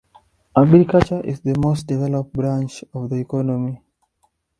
Agriculture is the most developed branch of the economy.